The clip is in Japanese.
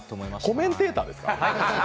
コメンテーターですか？